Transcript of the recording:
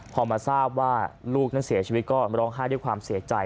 พอมาทราบว่าลูกนั้นเสียชีวิตก็ร้องไห้ด้วยความเสียใจ